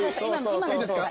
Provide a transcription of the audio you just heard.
いいですか？